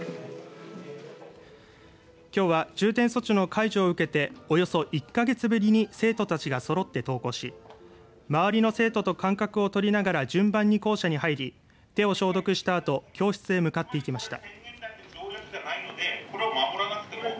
きょうは重点措置の解除を受けておよそ１か月ぶりに生徒たちがそろって登校し周りの生徒と間隔を取りながら順番に校舎に入り手を消毒したあと教室へ向かっていきました。